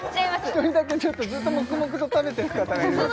１人だけちょっとずっと黙々と食べてる方がいるんですよ